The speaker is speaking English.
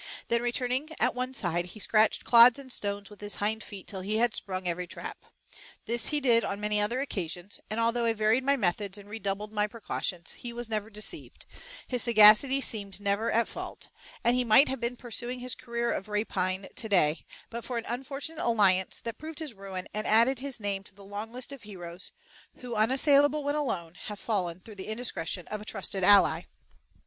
Then returning at one side he scratched clods and stones with his hind feet till he had sprung every trap. This he did on many other occasions, and although I varied my methods and redoubled my precautions, he was never deceived, his sagacity seemed never at fault, and he might have been pursuing his career of rapine to day, but for an unfortunate alliance that proved his ruin and added his name to the long list of heroes who, unassailable when alone, have fallen through the indiscretion of a trusted ally.